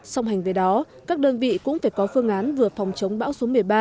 song hành về đó các đơn vị cũng phải có phương án vừa phòng chống bão số một mươi ba